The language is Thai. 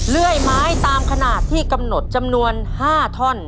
เรื่อยไม้ตามขนาดที่กำหนด๕ท่อน